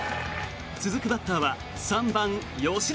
続くバッターは３番、吉田。